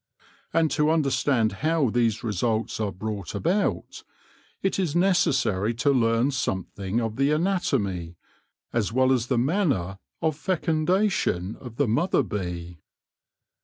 And to understand how these results are brought about, it is necessary to learn something of the anatomy, as well as the manner of fecundation, of the mother bee.